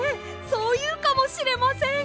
そういうかもしれません！